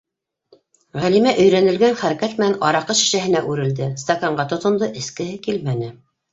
Ғәлимә өйрәнелгән хәрәкәт менән араҡы шешәһенә үрелде, стаканға тотондо - эскеһе килмәне.